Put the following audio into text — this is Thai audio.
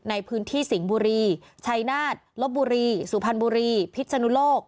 ในพื้นที่สิงห์บุรีชัยนาฏลบบุรีสุพรรณบุรีพิษนุโลก